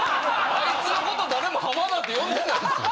あいつのこと誰も浜田って呼んでないですよ。